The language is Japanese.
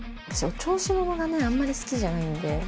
私、お調子者がね、あんまり好きじゃないんで。